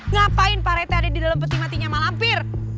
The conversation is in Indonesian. ngapain pak rete ada di dalam peti matinya malam bir